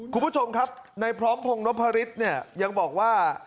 คุณผู้ชมครับในพร้อมพงศ์นพฤษเนี่ยยังบอกว่า